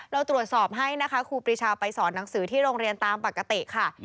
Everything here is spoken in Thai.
เราตรวจสอบให้ครูปีชาไปสอน้างสือที่โรงเรียนตามปังกะเตะค่ะ